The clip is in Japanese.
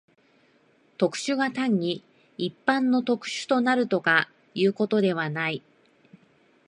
特殊が単に一般の特殊となるとかいうことではない。